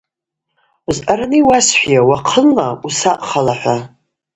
Зъараны йуасхӏвйа, уахъынла усакъхала,–хӏва.